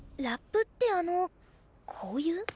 ラップってあのこういう？